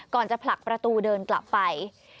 จะผลักประตูเดินกลับไป